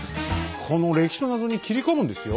この歴史のナゾに切り込むんですよ？